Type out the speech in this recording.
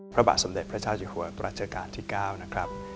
พระบาทสำเด็จพระเจ้าเจ้าหัวตัวราชการที่๙นะครับ